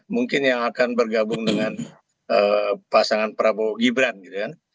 mungkin yang akan bergabung dengan pasangan prabowo gibran gitu kan